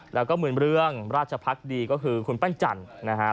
แล้วก็หมื่นเรื่องราชภักดีก็คือคุณปั้นจันทร์นะครับ